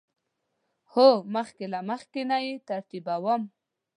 هو، مخکې له مخکی نه یی ترتیبوم